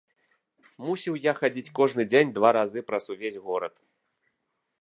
Мусіў я хадзіць кожны дзень два разы праз увесь горад.